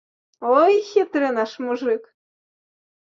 Ой, хітры наш мужык!